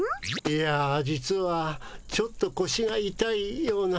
いや実はちょっとこしがいたいような